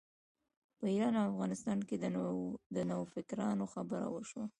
په ایران او افغانستان کې د نوفکرانو خبره وشوه.